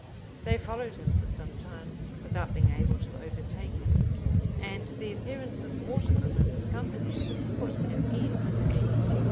They followed him for some time without being able to overtake him; and the appearance of Mortimer with his company put an end to their pursuit.